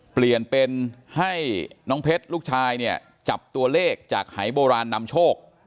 เปลี่ยนเป็นให้น้องเพชรลูกชายเนี่ยจับตัวเลขจากหายโบราณนำโชค